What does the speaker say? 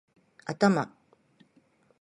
頭